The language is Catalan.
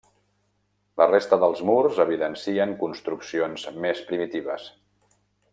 La resta dels murs evidencien construccions més primitives.